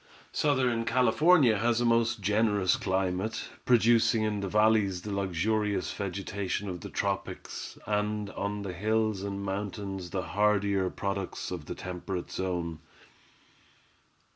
Southern California has a most generous climate, producing in the valleys the luxurious vegetation of the tropics, and on the hills and mountains the hardier products of the temperate zone.